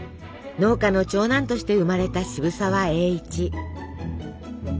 農家の長男として生まれた渋沢栄一。